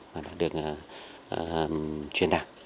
mà đã được thực hiện